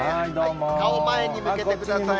顔、前に向けてください。